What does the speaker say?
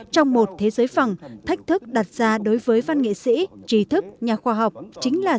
trong một thế giới phẳng thách thức đặt ra đối với văn nghệ sĩ trí thức nhà khoa học